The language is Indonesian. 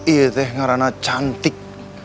iya teh karena cantik